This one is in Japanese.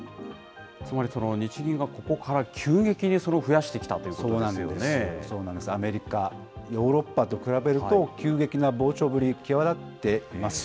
つまり、日銀がここから急激に増やしてきたということですよそうなんです、アメリカ、ヨーロッパと比べると、急激な膨張ぶり、際立っています。